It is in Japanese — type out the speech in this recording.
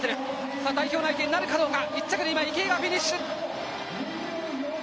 さあ、代表内定なるかどうか。